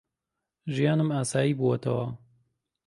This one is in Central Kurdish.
ژیانم ئاسایی بووەتەوە.